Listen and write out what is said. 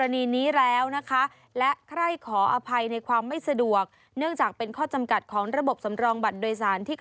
แนะนำให้ส่งอี